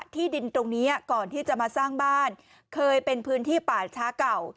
ที่ดินตรงนี้ก่อนที่จะมาสร้างบ้านเคยเป็นพื้นที่ป่าช้าเก่า